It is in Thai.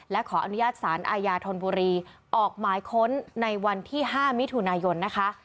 และขออนุญาตสารอาญาธนบุรีออกหมายค้นในวันที่๕มิถุนายนนะคะ